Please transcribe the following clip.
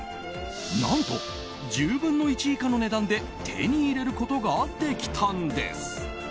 何と１０分の１以下の値段で手に入れることができたんです。